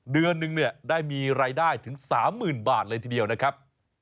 เดือนนึงเนี่ยได้มีรายได้ถึง๓๐๐๐บาทเลยทีเดียวนะครับ